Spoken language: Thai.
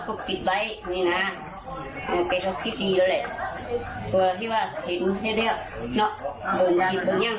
ก็ไปแบบนี้แล้วแหละ